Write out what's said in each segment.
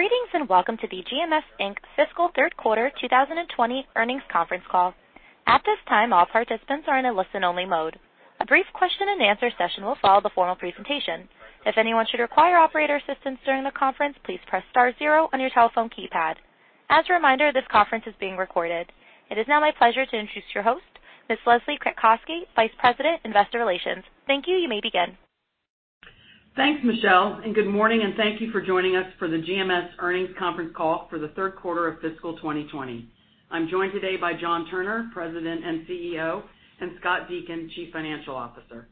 Greetings, welcome to the GMS Inc. fiscal third quarter 2020 earnings conference call. At this time, all participants are in a listen-only mode. A brief question and answer session will follow the formal presentation. If anyone should require operator assistance during the conference, please press star zero on your telephone keypad. As a reminder, this conference is being recorded. It is now my pleasure to introduce your host, Ms. Leslie Kratcoski, Vice President, Investor Relations. Thank you. You may begin. Thanks, Michelle, good morning, and thank you for joining us for the GMS earnings conference call for the third quarter of fiscal 2020. I'm joined today by John Turner, President and CEO, and Scott Deakin, Chief Financial Officer.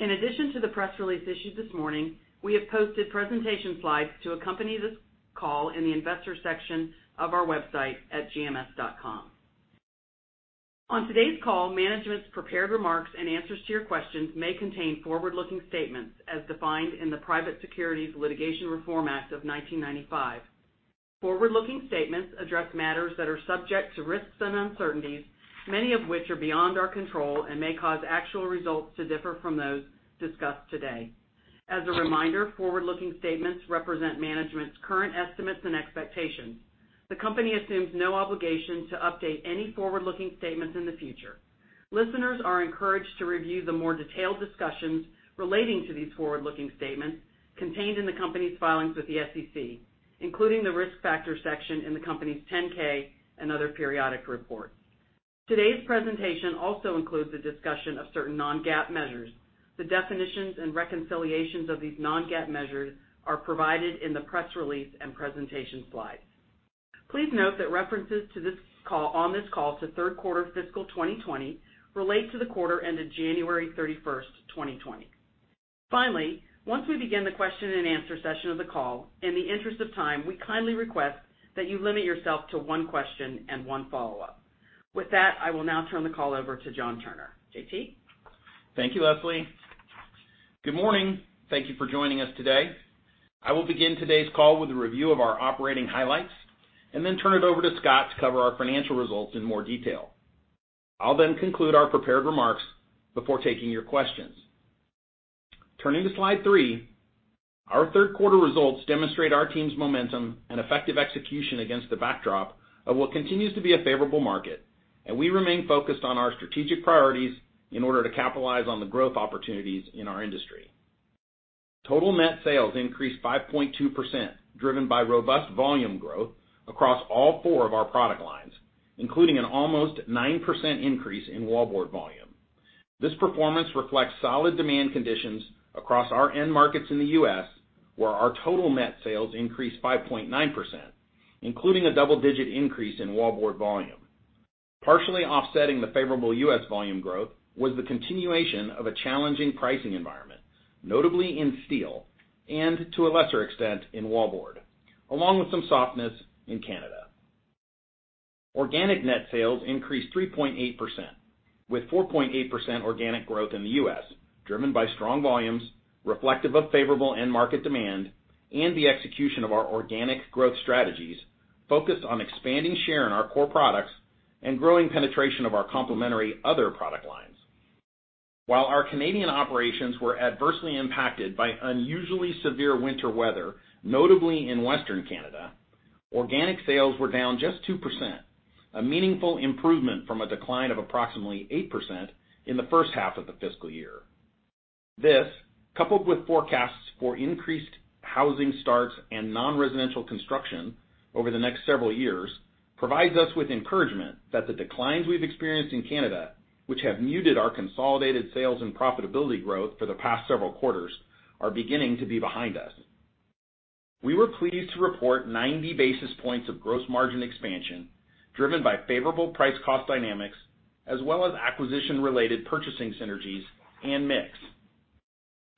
In addition to the press release issued this morning, we have posted presentation slides to accompany this call in the Investors section of our website at gms.com. On today's call, management's prepared remarks and answers to your questions may contain forward-looking statements as defined in the Private Securities Litigation Reform Act of 1995. Forward-looking statements address matters that are subject to risks and uncertainties, many of which are beyond our control and may cause actual results to differ from those discussed today. As a reminder, forward-looking statements represent management's current estimates and expectations. The company assumes no obligation to update any forward-looking statements in the future. Listeners are encouraged to review the more detailed discussions relating to these forward-looking statements contained in the company's filings with the SEC, including the Risk Factors section in the company's 10-K and other periodic reports. Today's presentation also includes a discussion of certain non-GAAP measures. The definitions and reconciliations of these non-GAAP measures are provided in the press release and presentation slides. Please note that references on this call to third quarter fiscal 2020 relate to the quarter ended January 31st, 2020. Finally, once we begin the question and answer session of the call, in the interest of time, we kindly request that you limit yourself to one question and one follow-up. With that, I will now turn the call over to John Turner. JT? Thank you, Leslie. Good morning. Thank you for joining us today. I will begin today's call with a review of our operating highlights and then turn it over to Scott to cover our financial results in more detail. I'll then conclude our prepared remarks before taking your questions. Turning to slide three, our third quarter results demonstrate our team's momentum and effective execution against the backdrop of what continues to be a favorable market, and we remain focused on our strategic priorities in order to capitalize on the growth opportunities in our industry. Total net sales increased 5.2%, driven by robust volume growth across all four of our product lines, including an almost 9% increase in wallboard volume. This performance reflects solid demand conditions across our end markets in the U.S., where our total net sales increased 5.9%, including a double-digit increase in wallboard volume. Partially offsetting the favorable U.S. volume growth was the continuation of a challenging pricing environment, notably in steel and to a lesser extent in wallboard, along with some softness in Canada. Organic net sales increased 3.8% with 4.8% organic growth in the U.S., driven by strong volumes reflective of favorable end market demand and the execution of our organic growth strategies focused on expanding share in our core products and growing penetration of our complementary other product lines. While our Canadian operations were adversely impacted by unusually severe winter weather, notably in Western Canada, organic sales were down just 2%, a meaningful improvement from a decline of approximately 8% in the first half of the fiscal year. This, coupled with forecasts for increased housing starts and non-residential construction over the next several years, provides us with encouragement that the declines we've experienced in Canada, which have muted our consolidated sales and profitability growth for the past several quarters, are beginning to be behind us. We were pleased to report 90 basis points of gross margin expansion, driven by favorable price-cost dynamics as well as acquisition-related purchasing synergies and mix.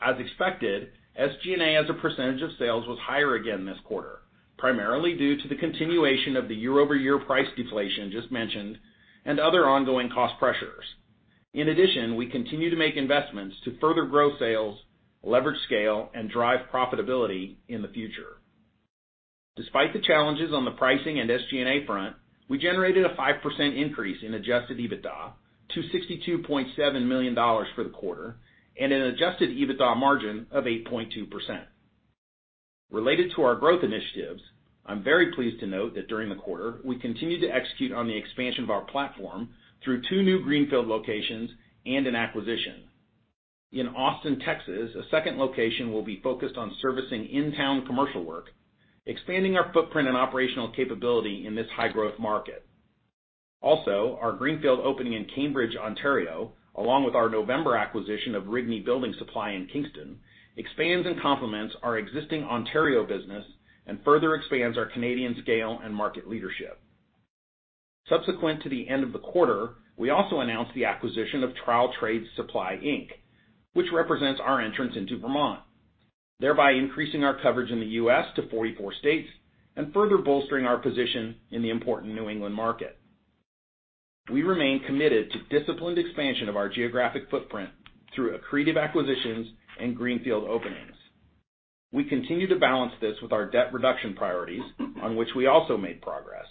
As expected, SG&A as a percentage of sales was higher again this quarter, primarily due to the continuation of the year-over-year price deflation just mentioned and other ongoing cost pressures. In addition, we continue to make investments to further grow sales, leverage scale, and drive profitability in the future. Despite the challenges on the pricing and SG&A front, we generated a 5% increase in adjusted EBITDA to $62.7 million for the quarter and an adjusted EBITDA margin of 8.2%. Related to our growth initiatives, I'm very pleased to note that during the quarter, we continued to execute on the expansion of our platform through two new greenfield locations and an acquisition. In Austin, Texas, a second location will be focused on servicing in-town commercial work, expanding our footprint and operational capability in this high-growth market. Our greenfield opening in Cambridge, Ontario, along with our November acquisition of Rigney Building Supply in Kingston, expands and complements our existing Ontario business and further expands our Canadian scale and market leadership. Subsequent to the end of the quarter, we also announced the acquisition of Trowel Trades Supply Inc., which represents our entrance into Vermont, thereby increasing our coverage in the U.S. to 44 states and further bolstering our position in the important New England market. We remain committed to disciplined expansion of our geographic footprint through accretive acquisitions and greenfield openings. We continue to balance this with our debt reduction priorities, on which we also made progress.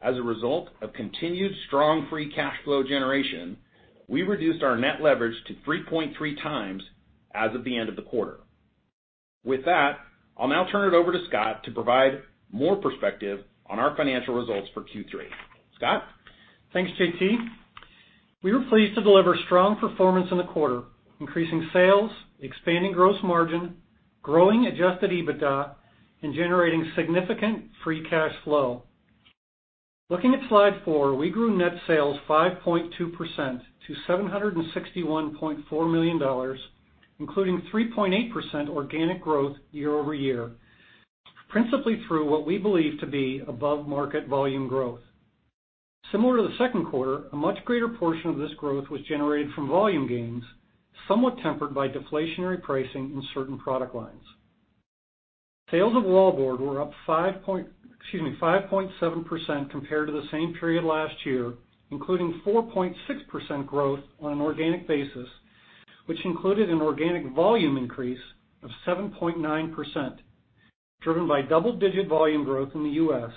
As a result of continued strong free cash flow generation, we reduced our net leverage to 3.3x as of the end of the quarter. With that, I'll now turn it over to Scott to provide more perspective on our financial results for Q3. Scott? Thanks, JT. We were pleased to deliver strong performance in the quarter, increasing sales, expanding gross margin, growing adjusted EBITDA, and generating significant free cash flow. Looking at slide four, we grew net sales 5.2% to $761.4 million, including 3.8% organic growth year-over-year, principally through what we believe to be above-market volume growth. Similar to the second quarter, a much greater portion of this growth was generated from volume gains, somewhat tempered by deflationary pricing in certain product lines. Sales of wallboard were up 5.7% compared to the same period last year, including 4.6% growth on an organic basis, which included an organic volume increase of 7.9%, driven by double-digit volume growth in the U.S.,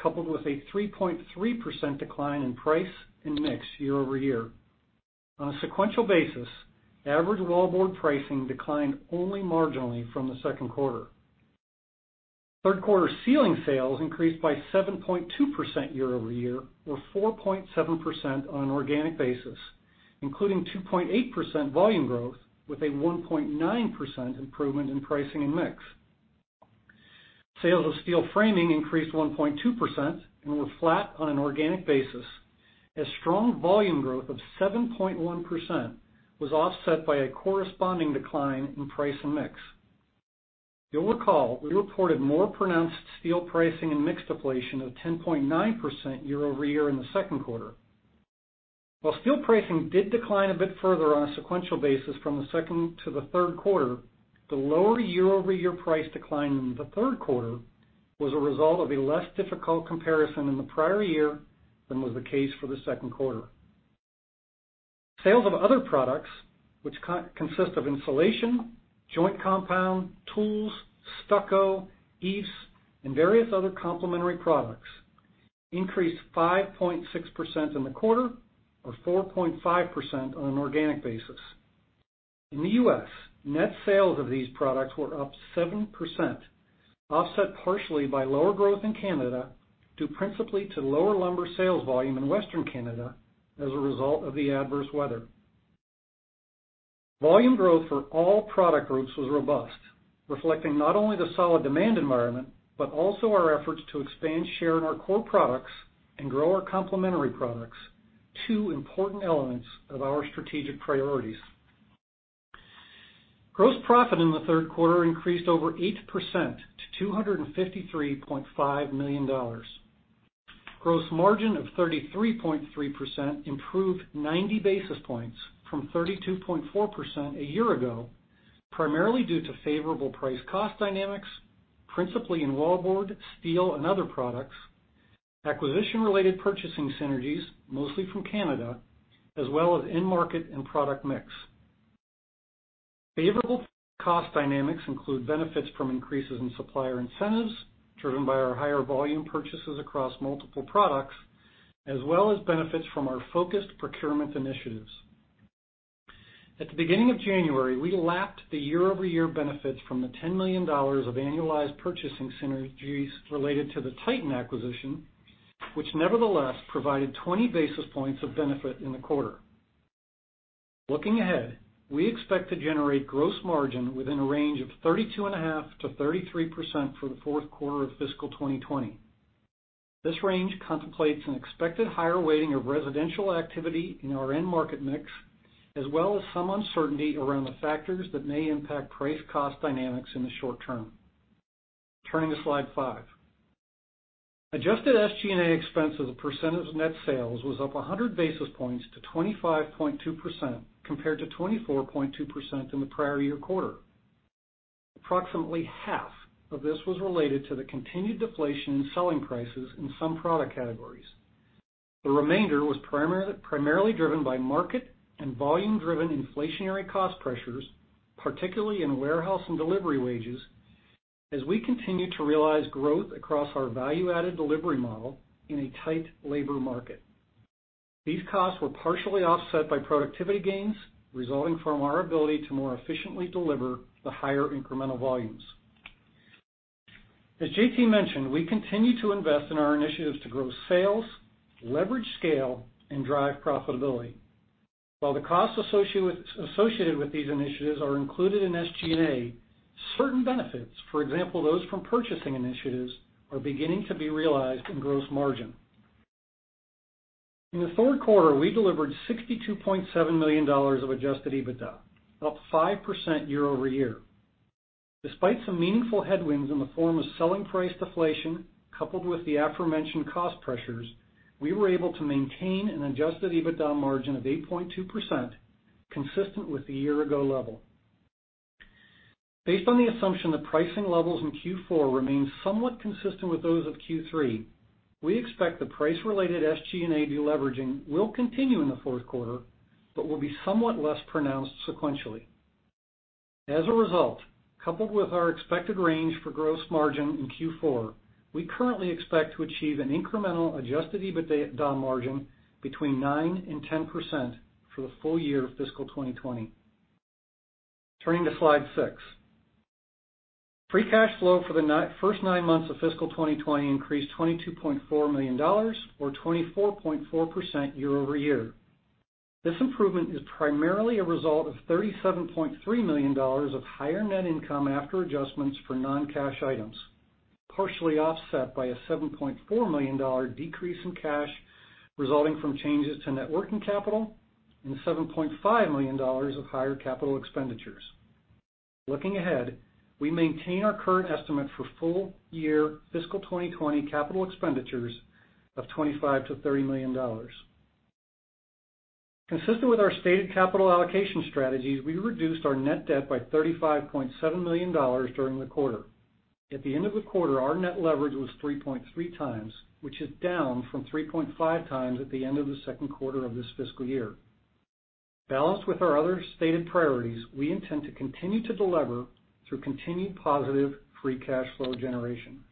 coupled with a 3.3% decline in price and mix year-over-year. On a sequential basis, average wallboard pricing declined only marginally from the second quarter. Third quarter ceilings sales increased by 7.2% year-over-year, or 4.7% on an organic basis, including 2.8% volume growth with a 1.9% improvement in pricing and mix. Sales of steel framing increased 1.2% and were flat on an organic basis as strong volume growth of 7.1% was offset by a corresponding decline in price and mix. You'll recall, we reported more pronounced steel pricing and mix deflation of 10.9% year-over-year in the second quarter. While steel pricing did decline a bit further on a sequential basis from the second to the third quarter, the lower year-over-year price decline in the third quarter was a result of a less difficult comparison in the prior year than was the case for the second quarter. Sales of other products, which consist of insulation, joint compound, tools, stucco, eaves, and various other complementary products, increased 5.6% in the quarter, or 4.5% on an organic basis. In the U.S., net sales of these products were up 7%, offset partially by lower growth in Canada, due principally to lower lumber sales volume in Western Canada as a result of the adverse weather. Volume growth for all product groups was robust, reflecting not only the solid demand environment, but also our efforts to expand share in our core products and grow our complementary products, two important elements of our strategic priorities. Gross profit in the third quarter increased over 8% to $253.5 million. Gross margin of 33.3% improved 90 basis points from 32.4% a year ago, primarily due to favorable price-cost dynamics, principally in wallboard, steel, and other products, acquisition-related purchasing synergies, mostly from Canada, as well as end market and product mix. Favorable cost dynamics include benefits from increases in supplier incentives driven by our higher volume purchases across multiple products, as well as benefits from our focused procurement initiatives. At the beginning of January, we lapped the year-over-year benefits from the $10 million of annualized purchasing synergies related to the Titan acquisition, which nevertheless provided 20 basis points of benefit in the quarter. Looking ahead, we expect to generate gross margin within a range of 32.5%-33% for the fourth quarter of fiscal 2020. This range contemplates an expected higher weighting of residential activity in our end market mix, as well as some uncertainty around the factors that may impact price-cost dynamics in the short term. Turning to slide five. Adjusted SG&A expense as a percent of net sales was up 100 basis points to 25.2%, compared to 24.2% in the prior year quarter. Approximately half of this was related to the continued deflation in selling prices in some product categories. The remainder was primarily driven by market and volume-driven inflationary cost pressures, particularly in warehouse and delivery wages, as we continue to realize growth across our value-added delivery model in a tight labor market. These costs were partially offset by productivity gains resulting from our ability to more efficiently deliver the higher incremental volumes. As JT mentioned, we continue to invest in our initiatives to grow sales, leverage scale, and drive profitability. While the costs associated with these initiatives are included in SG&A, certain benefits, for example, those from purchasing initiatives, are beginning to be realized in gross margin. In the third quarter, we delivered $62.7 million of adjusted EBITDA, up 5% year-over-year. Despite some meaningful headwinds in the form of selling price deflation coupled with the aforementioned cost pressures, we were able to maintain an adjusted EBITDA margin of 8.2%, consistent with the year ago level. Based on the assumption that pricing levels in Q4 remain somewhat consistent with those of Q3. We expect the price-related SG&A deleveraging will continue in the fourth quarter but will be somewhat less pronounced sequentially. As a result, coupled with our expected range for gross margin in Q4, we currently expect to achieve an incremental adjusted EBITDA margin between 9% and 10% for the full year of fiscal 2020. Turning to slide six. Free cash flow for the first nine months of fiscal 2020 increased $22.4 million, or 24.4% year-over-year. This improvement is primarily a result of $37.3 million of higher net income after adjustments for non-cash items, partially offset by a $7.4 million decrease in cash resulting from changes to net working capital and $7.5 million of higher capital expenditures. Looking ahead, we maintain our current estimate for full-year fiscal 2020 capital expenditures of $25 million-$30 million. Consistent with our stated capital allocation strategies, we reduced our net debt by $35.7 million during the quarter. At the end of the quarter, our net leverage was 3.3x, which is down from 3.5x at the end of the second quarter of this fiscal year. Balanced with our other stated priorities, we intend to continue to delever through continued positive free cash flow generation.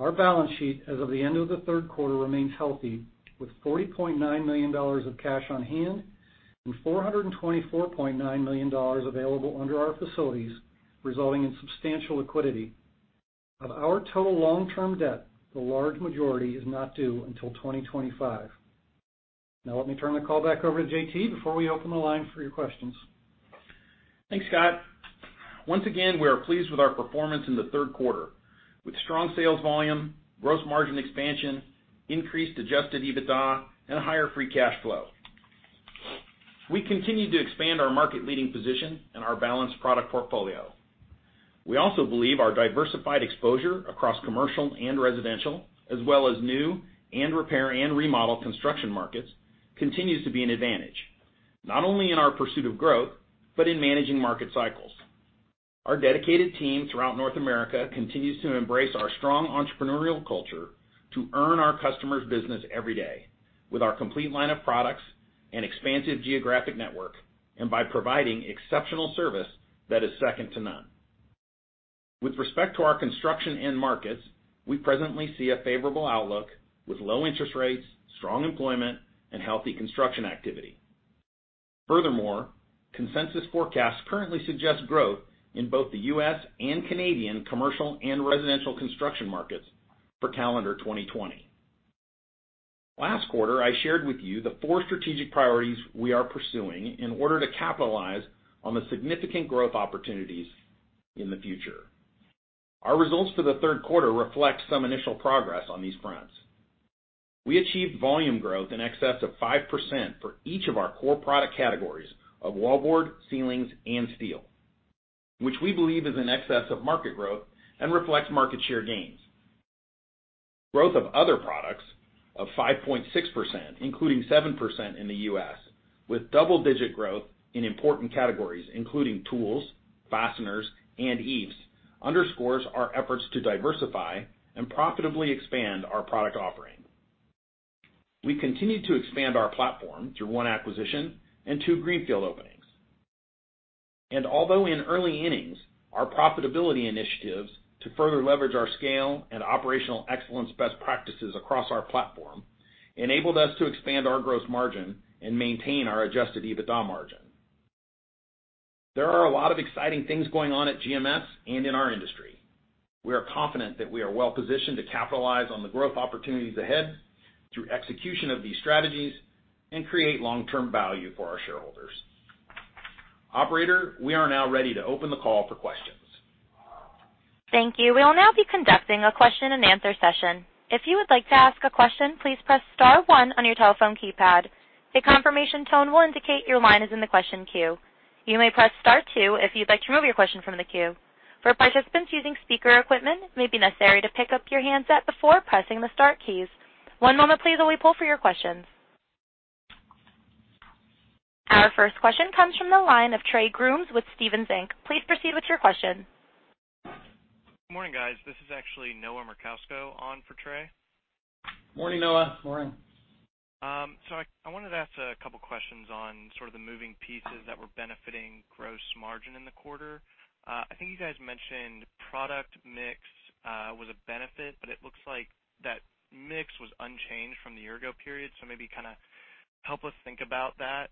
Our balance sheet as of the end of the third quarter remains healthy, with $40.9 million of cash on hand and $424.9 million available under our facilities, resulting in substantial liquidity. Of our total long-term debt, the large majority is not due until 2025. Let me turn the call back over to JT before we open the line for your questions. Thanks, Scott. Once again, we are pleased with our performance in the third quarter, with strong sales volume, gross margin expansion, increased adjusted EBITDA, and higher free cash flow. We continue to expand our market-leading position and our balanced product portfolio. We also believe our diversified exposure across commercial and residential, as well as new and repair and remodel construction markets, continues to be an advantage, not only in our pursuit of growth, but in managing market cycles. Our dedicated team throughout North America continues to embrace our strong entrepreneurial culture to earn our customers business every day with our complete line of products and expansive geographic network, and by providing exceptional service that is second to none. With respect to our construction end markets, we presently see a favorable outlook with low interest rates, strong employment, and healthy construction activity. Furthermore, consensus forecasts currently suggest growth in both the U.S. and Canadian commercial and residential construction markets for calendar 2020. Last quarter, I shared with you the four strategic priorities we are pursuing in order to capitalize on the significant growth opportunities in the future. Our results for the third quarter reflect some initial progress on these fronts. We achieved volume growth in excess of 5% for each of our core product categories of wallboard, ceilings, and steel, which we believe is in excess of market growth and reflects market share gains. Growth of other products of 5.6%, including 7% in the U.S., with double-digit growth in important categories including tools, fasteners, and eaves, underscores our efforts to diversify and profitably expand our product offering. We continued to expand our platform through one acquisition and two greenfield openings. Although in early innings, our profitability initiatives to further leverage our scale and operational excellence best practices across our platform enabled us to expand our gross margin and maintain our adjusted EBITDA margin. There are a lot of exciting things going on at GMS and in our industry. We are confident that we are well-positioned to capitalize on the growth opportunities ahead through execution of these strategies and create long-term value for our shareholders. Operator, we are now ready to open the call for questions. Thank you. We will now be conducting a question-and-answer session. If you would like to ask a question, please press star one on your telephone keypad. A confirmation tone will indicate your line is in the question queue. You may press star two if you'd like to remove your question from the queue. For participants using speaker equipment, it may be necessary to pick up your handset before pressing the star keys. One moment please while we pull for your questions. Our first question comes from the line of Trey Grooms with Stephens Inc. Please proceed with your question. Good morning, guys. This is actually Noah Merkousko on for Trey. Morning, Noah. Morning. I wanted to ask a couple questions on sort of the moving pieces that were benefiting gross margin in the quarter. I think you guys mentioned product mix was a benefit, but it looks like that mix was unchanged from the year-ago period, so maybe kind of help us think about that.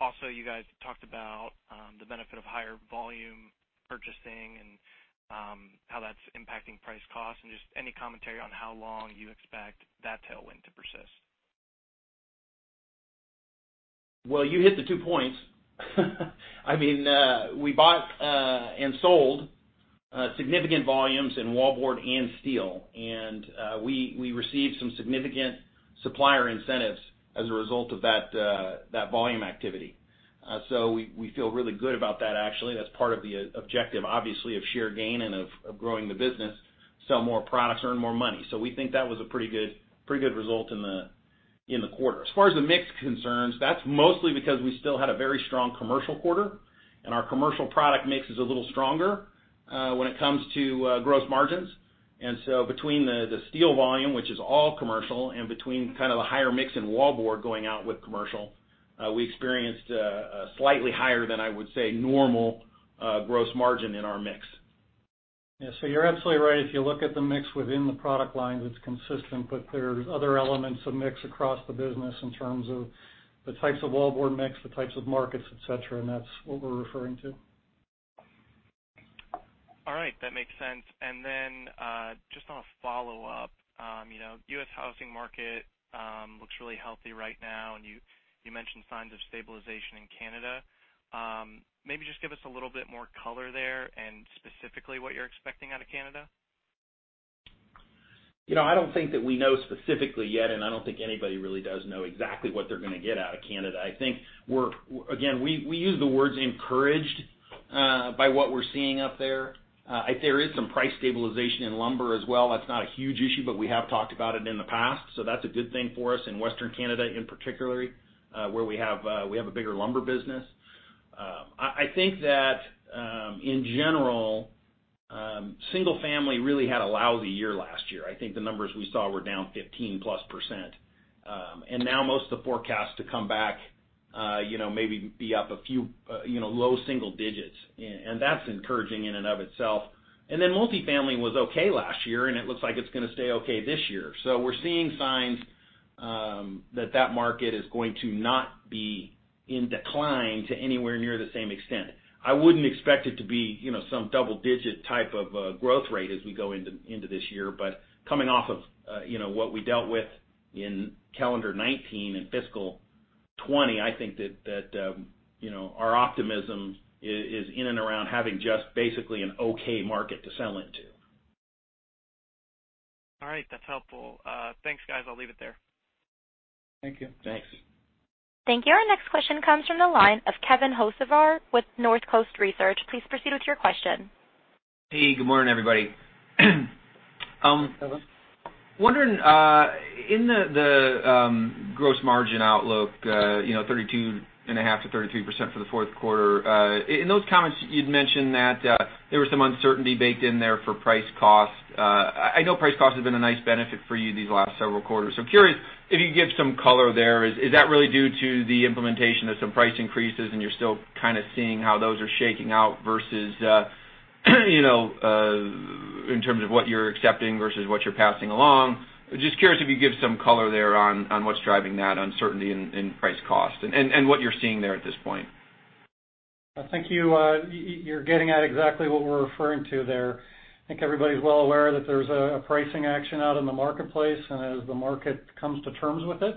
Also, you guys talked about the benefit of higher volume purchasing and how that's impacting price-cost, and just any commentary on how long you expect that tailwind to persist. Well, you hit the two points. We bought and sold significant volumes in wallboard and steel, and we received some significant supplier incentives as a result of that volume activity. We feel really good about that, actually. That's part of the objective, obviously, of share gain and of growing the business. Sell more products, earn more money. We think that was a pretty good result in the quarter. As far as the mix concerns, that's mostly because we still had a very strong commercial quarter, and our commercial product mix is a little stronger when it comes to gross margins. Between the steel volume, which is all commercial, and between kind of the higher mix in wallboard going out with commercial, we experienced a slightly higher than, I would say, normal gross margin in our mix. Yeah, you're absolutely right. If you look at the mix within the product lines, it's consistent, but there's other elements of mix across the business in terms of the types of wallboard mix, the types of markets, et cetera, and that's what we're referring to. All right. That makes sense. Then, just on a follow-up, U.S. housing market looks really healthy right now, and you mentioned signs of stabilization in Canada. Maybe just give us a little bit more color there, and specifically what you're expecting out of Canada? I don't think that we know specifically yet. I don't think anybody really does know exactly what they're going to get out of Canada. I think we're, again, we use the words encouraged by what we're seeing up there. There is some price stabilization in lumber as well. That's not a huge issue. We have talked about it in the past. That's a good thing for us in Western Canada in particular, where we have a bigger lumber business. I think that, in general, single family really had a lousy year last year. I think the numbers we saw were down 15%+. Now most of the forecasts to come back, maybe be up a few low single digits. That's encouraging in and of itself. Then multifamily was okay last year. It looks like it's going to stay okay this year. We're seeing signs that market is going to not be in decline to anywhere near the same extent. I wouldn't expect it to be some double-digit type of growth rate as we go into this year. Coming off of what we dealt with in calendar 2019 and fiscal 2020, I think that our optimism is in and around having just basically an okay market to sell into. All right. That's helpful. Thanks, guys. I'll leave it there. Thank you. Thanks. Thank you. Our next question comes from the line of Kevin Hocevar with Northcoast Research. Please proceed with your question. Hey, good morning, everybody. Hi, Kevin. Wondering, in the gross margin outlook, 32.5%-33% for the fourth quarter. In those comments, you'd mentioned that there was some uncertainty baked in there for price cost. I know price cost has been a nice benefit for you these last several quarters. I'm curious if you could give some color there. Is that really due to the implementation of some price increases, and you're still kind of seeing how those are shaking out versus in terms of what you're accepting versus what you're passing along? Just curious if you could give some color there on what's driving that uncertainty in price cost and what you're seeing there at this point. I think you're getting at exactly what we're referring to there. I think everybody's well aware that there's a pricing action out in the marketplace, and as the market comes to terms with it,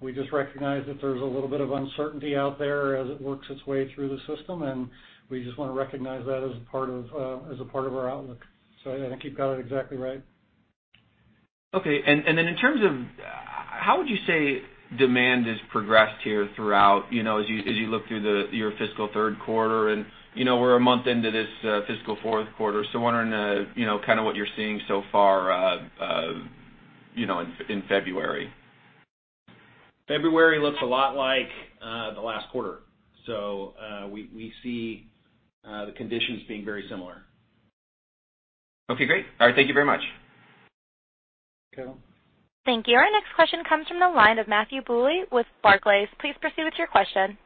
we just recognize that there's a little bit of uncertainty out there as it works its way through the system, and we just want to recognize that as a part of our outlook. I think you've got it exactly right. Okay. In terms of how would you say demand has progressed here throughout, as you look through your fiscal third quarter and we're a month into this fiscal fourth quarter, wondering kind of what you're seeing so far in February. February looks a lot like the last quarter. We see the conditions being very similar. Okay, great. All right. Thank you very much. Thank you. Thank you. Our next question comes from the line of Matthew Bouley with Barclays. Please proceed with your question.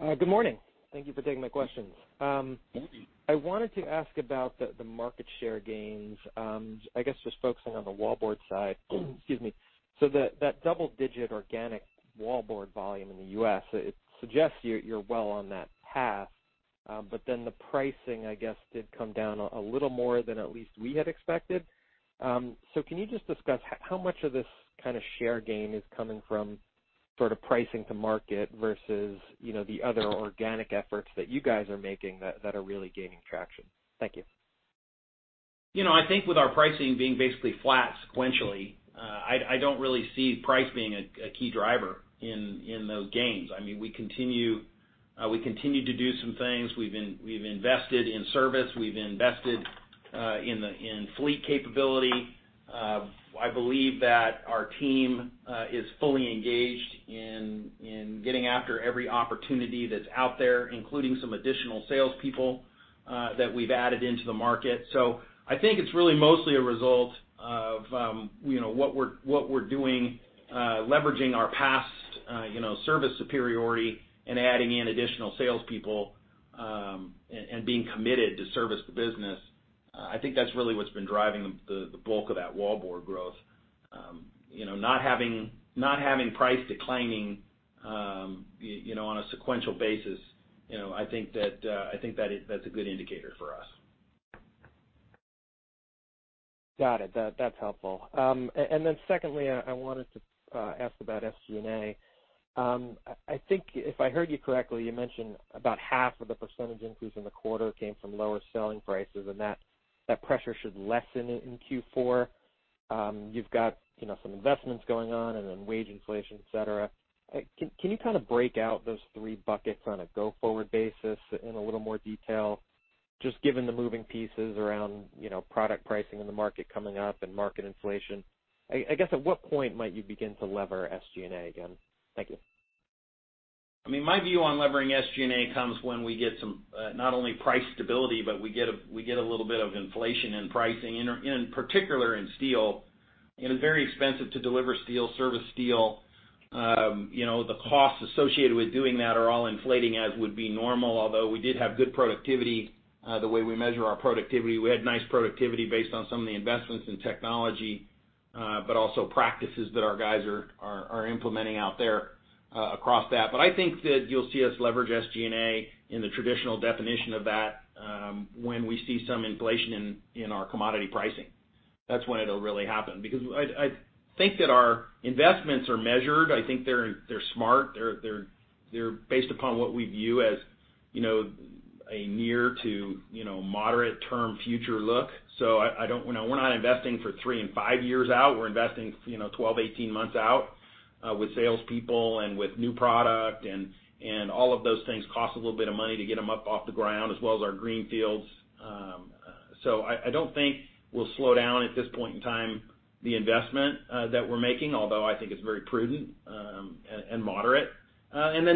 Good morning. Thank you for taking my questions. Matthew. I wanted to ask about the market share gains, I guess just focusing on the wallboard side. Excuse me. That double-digit organic wallboard volume in the U.S., it suggests you're well on that path. The pricing, I guess, did come down a little more than at least we had expected. Can you just discuss how much of this kind of share gain is coming from sort of pricing to market versus the other organic efforts that you guys are making that are really gaining traction? Thank you. I think with our pricing being basically flat sequentially, I don't really see price being a key driver in those gains. We continue to do some things. We've invested in service. We've invested in fleet capability. I believe that our team is fully engaged in getting after every opportunity that's out there, including some additional salespeople that we've added into the market. I think it's really mostly a result of what we're doing, leveraging our past service superiority and adding in additional salespeople, and being committed to service the business. I think that's really what's been driving the bulk of that wallboard growth. Not having price declining on a sequential basis, I think that's a good indicator for us. Got it. That's helpful. Secondly, I wanted to ask about SG&A. I think if I heard you correctly, you mentioned about half of the percentage increase in the quarter came from lower selling prices and that pressure should lessen in Q4. You've got some investments going on, wage inflation, et cetera. Can you kind of break out those three buckets on a go-forward basis in a little more detail? Just given the moving pieces around product pricing in the market coming up and market inflation, I guess, at what point might you begin to lever SG&A again? Thank you. My view on levering SG&A comes when we get some, not only price stability, but we get a little bit of inflation in pricing, in particular in steel. It is very expensive to deliver steel, service steel. The costs associated with doing that are all inflating as would be normal, although we did have good productivity. The way we measure our productivity, we had nice productivity based on some of the investments in technology, but also practices that our guys are implementing out there across that. I think that you'll see us leverage SG&A in the traditional definition of that, when we see some inflation in our commodity pricing. That's when it'll really happen. I think that our investments are measured. I think they're smart. They're based upon what we view as a near to moderate term future look. We're not investing for three and five years out. We're investing 12, 18 months out, with salespeople and with new product. All of those things cost a little bit of money to get them up off the ground, as well as our greenfields. I don't think we'll slow down at this point in time, the investment that we're making, although I think it's very prudent and moderate.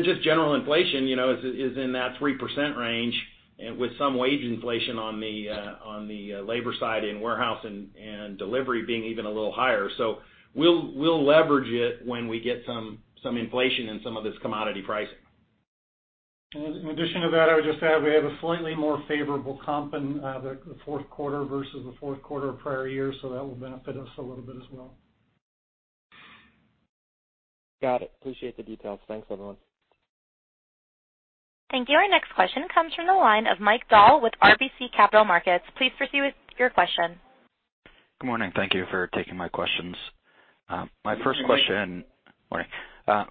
Just general inflation is in that 3% range, with some wage inflation on the labor side in warehouse and delivery being even a little higher. We'll leverage it when we get some inflation in some of this commodity pricing. In addition to that, I would just add, we have a slightly more favorable comp in the fourth quarter versus the fourth quarter of prior year. That will benefit us a little bit as well. Got it. Appreciate the details. Thanks, everyone. Thank you. Our next question comes from the line of Mike Dahl with RBC Capital Markets. Please proceed with your question. Good morning. Thank you for taking my questions. Good morning. Morning.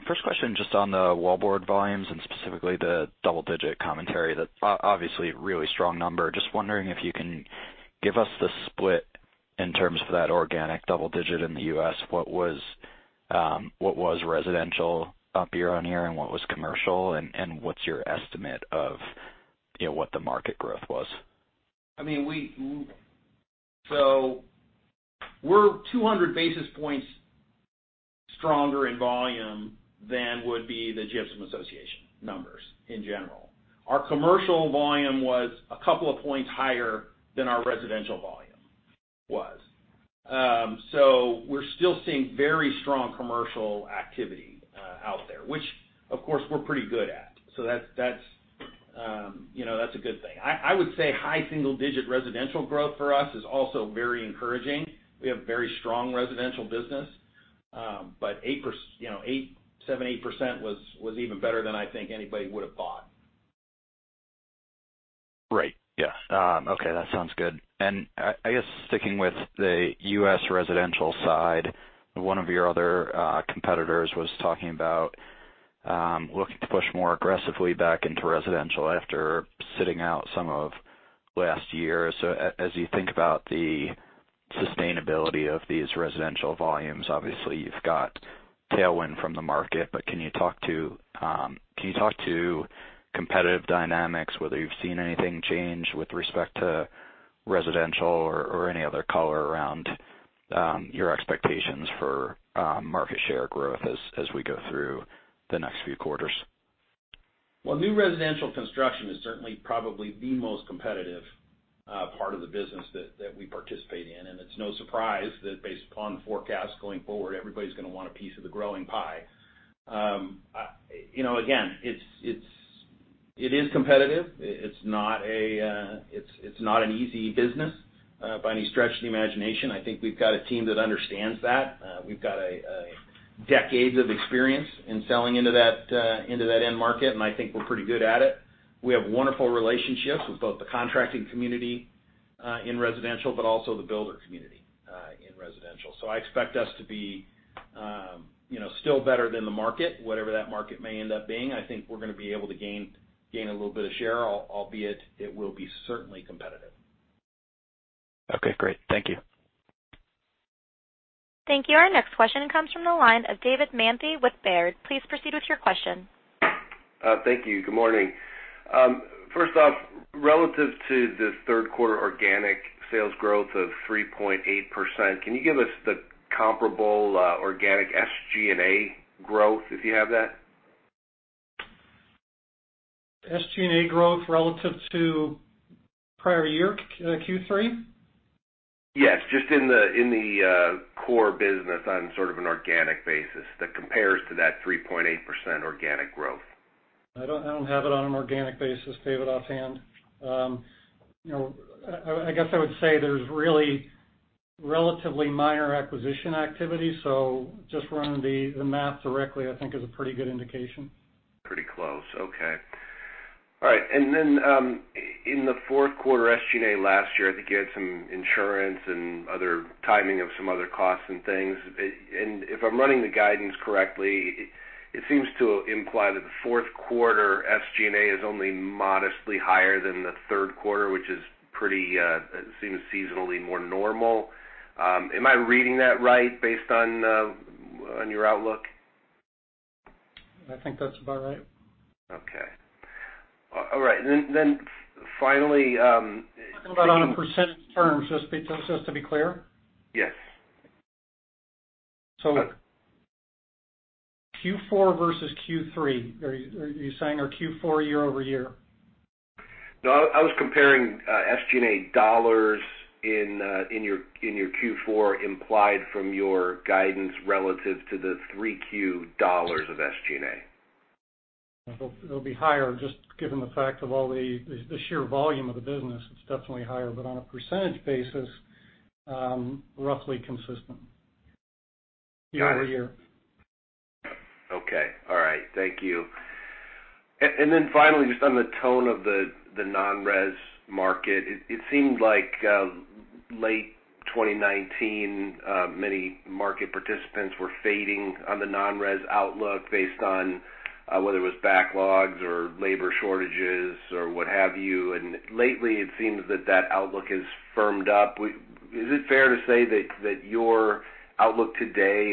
First question, just on the wallboard volumes and specifically the double-digit commentary, that's obviously a really strong number. Just wondering if you can give us the split in terms of that organic double digit in the U.S. What was residential up year-over-year, and what was commercial, and what's your estimate of what the market growth was? We're 200 basis points stronger in volume than would be the Gypsum Association numbers in general. Our commercial volume was a couple of points higher than our residential volume was. We're still seeing very strong commercial activity out there, which of course, we're pretty good at. That's a good thing. I would say high single-digit residential growth for us is also very encouraging. We have very strong residential business. 7%, 8% was even better than I think anybody would have thought. Right. Yeah. Okay. That sounds good. I guess sticking with the U.S. residential side, one of your other competitors was talking about looking to push more aggressively back into residential after sitting out some of last year. As you think about the sustainability of these residential volumes, obviously you've got tailwind from the market, but can you talk to competitive dynamics, whether you've seen anything change with respect to residential or any other color around your expectations for market share growth as we go through the next few quarters? New residential construction is certainly probably the most competitive part of the business that we participate in, and it's no surprise that based upon forecast going forward, everybody's going to want a piece of the growing pie. Again, it is competitive. It's not an easy business by any stretch of the imagination. I think we've got a team that understands that. We've got decades of experience in selling into that end market, and I think we're pretty good at it. We have wonderful relationships with both the contracting community in residential, but also the builder community in residential. I expect us to be still better than the market, whatever that market may end up being. I think we're going to be able to gain a little bit of share, albeit, it will be certainly competitive. Okay, great. Thank you. Thank you. Our next question comes from the line of David Manthey with Baird. Please proceed with your question. Thank you. Good morning. First off, relative to the third quarter organic sales growth of 3.8%, can you give us the comparable organic SG&A growth, if you have that? SG&A growth relative to prior year Q3? Yes, just in the core business on sort of an organic basis that compares to that 3.8% organic growth. I don't have it on an organic basis, David, offhand. I guess I would say there's really relatively minor acquisition activity, so just running the math directly, I think, is a pretty good indication. Pretty close. Okay. All right. In the fourth quarter SG&A last year, I think you had some insurance and other timing of some other costs and things. If I'm running the guidance correctly, it seems to imply that the fourth quarter SG&A is only modestly higher than the third quarter, which seems seasonally more normal. Am I reading that right based on your outlook? I think that's about right. Okay. All right. Talking about on a percentage terms, just to be clear? Yes. Q4 versus Q3. Are you saying our Q4 year-over-year? No, I was comparing SG&A dollars in your Q4 implied from your guidance relative to the 3Q dollars of SG&A. It'll be higher just given the fact of all the sheer volume of the business. It's definitely higher. On a percentage basis, roughly consistent year-over-year. Got it. Okay. All right. Thank you. Then finally, just on the tone of the non-res market, it seemed like late 2019, many market participants were fading on the non-res outlook based on whether it was backlogs or labor shortages or what have you. Lately, it seems that that outlook has firmed up. Is it fair to say that your outlook today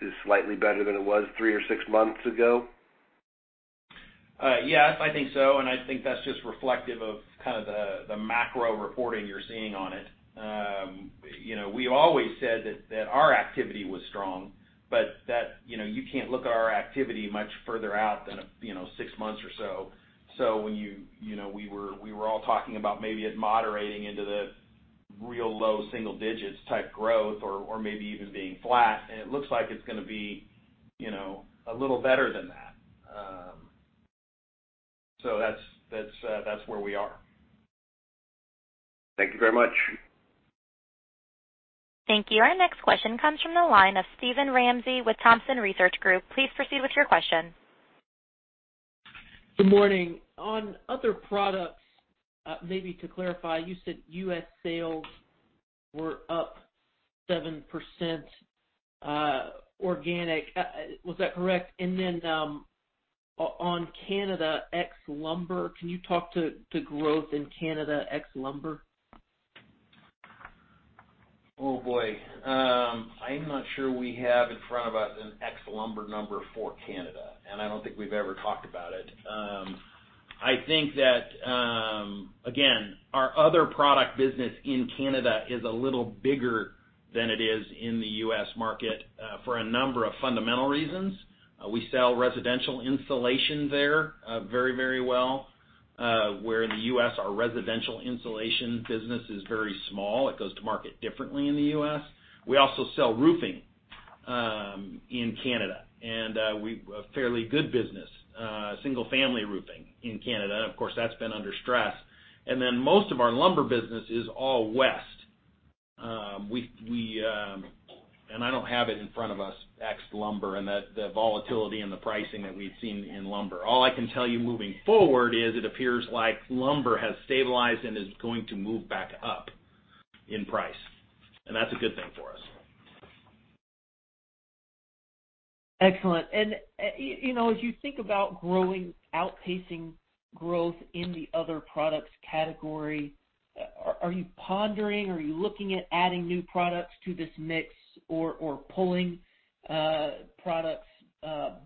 is slightly better than it was three or six months ago? Yes, I think so. I think that's just reflective of kind of the macro reporting you're seeing on it. We always said that our activity was strong, but that you can't look at our activity much further out than six months or so. We were all talking about maybe it moderating into the real low single digits type growth or maybe even being flat, and it looks like it's going to be a little better than that. That's where we are. Thank you very much. Thank you. Our next question comes from the line of Steven Ramsey with Thompson Research Group. Please proceed with your question. Good morning. On other products, maybe to clarify, you said U.S. sales were up 7% organic. Was that correct? On Canada ex lumber, can you talk to growth in Canada ex lumber? Oh, boy. I'm not sure we have in front of us an ex lumber number for Canada, and I don't think we've ever talked about it. I think that, again, our other product business in Canada is a little bigger than it is in the U.S. market for a number of fundamental reasons. We sell residential insulation there very well. Where in the U.S., our residential insulation business is very small. It goes to market differently in the U.S. We also sell roofing in Canada, and a fairly good business, single-family roofing in Canada. Of course, that's been under stress. Most of our lumber business is all west. I don't have it in front of us, ex lumber, and the volatility and the pricing that we've seen in lumber. All I can tell you moving forward is it appears like lumber has stabilized and is going to move back up in price. That's a good thing for us. Excellent. As you think about outpacing growth in the other products category, are you pondering, are you looking at adding new products to this mix? Or pulling products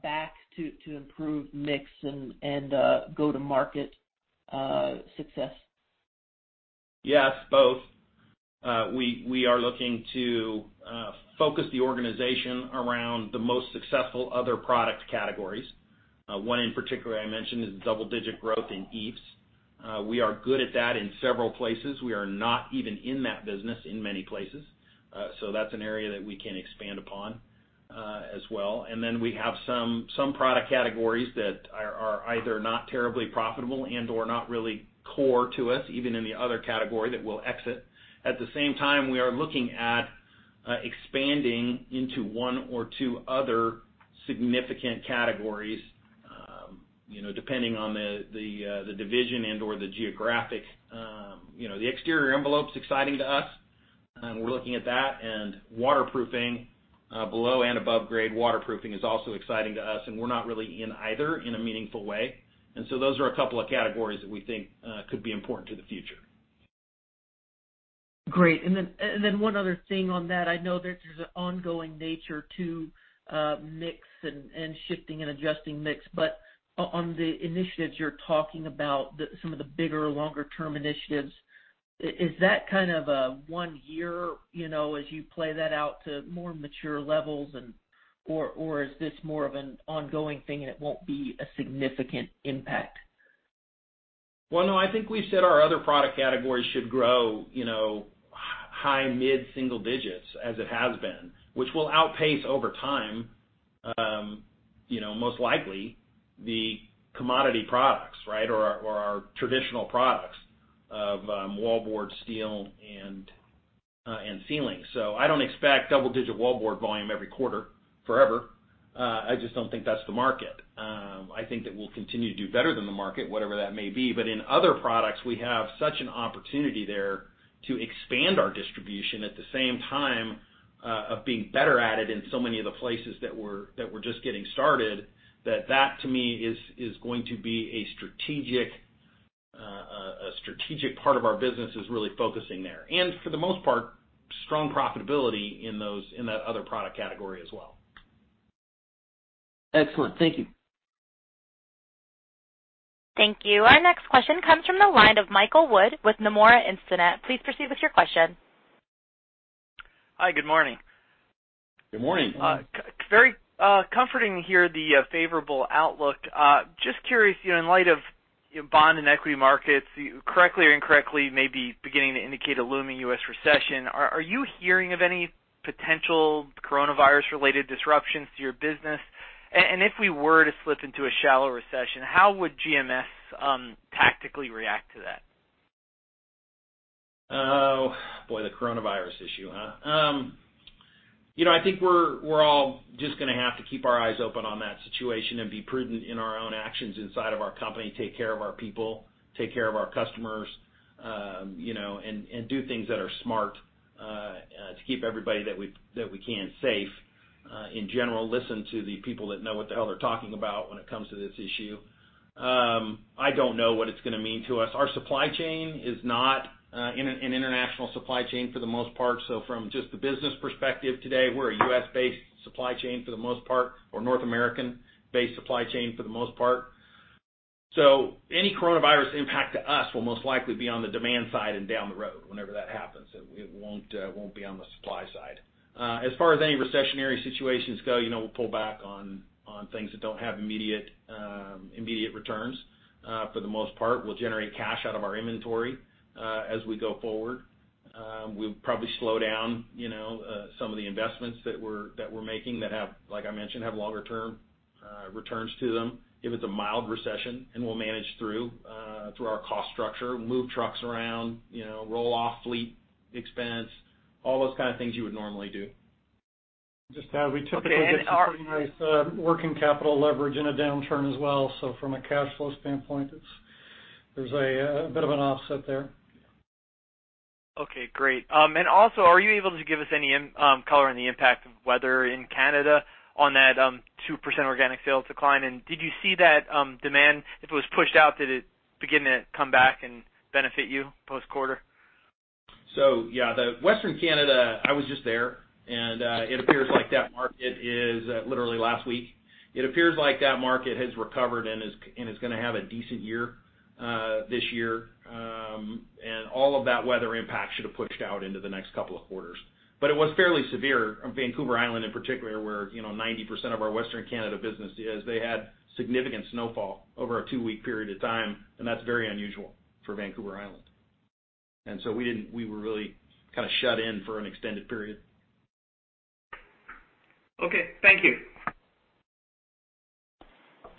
back to improve mix and go to market success? Yes, both. We are looking to focus the organization around the most successful other product categories. One in particular I mentioned is double-digit growth in eaves. We are good at that in several places. We are not even in that business in many places. That's an area that we can expand upon as well. We have some product categories that are either not terribly profitable and/or not really core to us, even in the other category that we'll exit. At the same time, we are looking at expanding into one or two other significant categories, depending on the division and/or the geographic. The exterior envelope's exciting to us. We're looking at that, and waterproofing below and above grade waterproofing is also exciting to us, and we're not really in either in a meaningful way. Those are a couple of categories that we think could be important to the future. Great. One other thing on that, I know that there's an ongoing nature to mix and shifting and adjusting mix. On the initiatives you're talking about, some of the bigger, longer term initiatives, is that kind of a one year as you play that out to more mature levels? Or is this more of an ongoing thing and it won't be a significant impact? No, I think we've said our other product categories should grow high, mid-single digits as it has been, which will outpace over time most likely the commodity products or our traditional products of wallboard, steel, and ceilings. I don't expect double-digit wallboard volume every quarter forever. I just don't think that's the market. I think that we'll continue to do better than the market, whatever that may be. In other products, we have such an opportunity there to expand our distribution at the same time of being better at it in so many of the places that we're just getting started, that that to me is going to be a strategic part of our business is really focusing there. For the most part, strong profitability in that other product category as well. Excellent. Thank you. Thank you. Our next question comes from the line of Michael Wood with Nomura Instinet. Please proceed with your question. Hi. Good morning. Good morning. It's very comforting to hear the favorable outlook. Just curious, in light of bond and equity markets, correctly or incorrectly, maybe beginning to indicate a looming U.S. recession, are you hearing of any potential coronavirus-related disruptions to your business? If we were to slip into a shallow recession, how would GMS tactically react to that? Oh, boy. The coronavirus issue, huh? I think we're all just going to have to keep our eyes open on that situation and be prudent in our own actions inside of our company, take care of our people, take care of our customers, and do things that are smart to keep everybody that we can safe. In general, listen to the people that know what the hell they're talking about when it comes to this issue. I don't know what it's going to mean to us. Our supply chain is not an international supply chain for the most part. From just the business perspective today, we're a U.S.-based supply chain for the most part, or North American-based supply chain for the most part. Any coronavirus impact to us will most likely be on the demand side and down the road, whenever that happens. It won't be on the supply side. As far as any recessionary situations go, we'll pull back on things that don't have immediate returns. For the most part, we'll generate cash out of our inventory as we go forward. We'll probably slow down some of the investments that we're making that, like I mentioned, have longer-term returns to them. If it's a mild recession, we'll manage through our cost structure, move trucks around, roll off fleet expense, all those kind of things you would normally do. Just to add, we typically get some pretty nice working capital leverage in a downturn as well. From a cash flow standpoint, there's a bit of an offset there. Okay. Great. Also, are you able to give us any color on the impact of weather in Canada on that 2% organic sales decline? Did you see that demand, if it was pushed out, did it begin to come back and benefit you post-quarter? Yeah, the Western Canada, I was just there, literally last week. It appears like that market has recovered and is going to have a decent year this year. All of that weather impact should have pushed out into the next couple of quarters. It was fairly severe on Vancouver Island in particular, where 90% of our Western Canada business is. They had significant snowfall over a two-week period of time, and that's very unusual for Vancouver Island. We were really kind of shut in for an extended period. Okay. Thank you.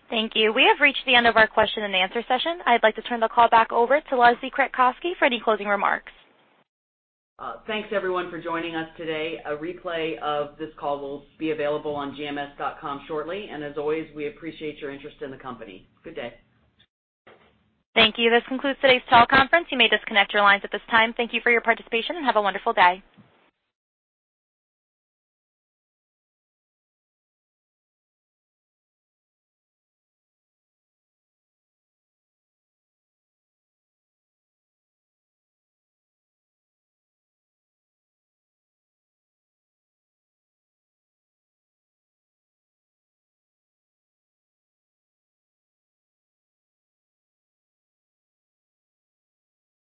Thank you. We have reached the end of our question and answer session. I'd like to turn the call back over to Leslie Kratcoski for any closing remarks. Thanks, everyone, for joining us today. A replay of this call will be available on gms.com shortly. As always, we appreciate your interest in the company. Good day. Thank you. This concludes today's conference call. You may disconnect your lines at this time. Thank you for your participation and have a wonderful day.